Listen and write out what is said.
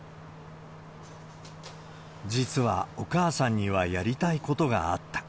実は、お母さんにはやりたいことがあった。